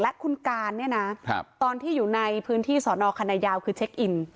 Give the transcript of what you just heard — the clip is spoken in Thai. และคุณการเนี่ยนะตอนที่อยู่ในพื้นที่สอนอคณะยาวคือเช็คอิน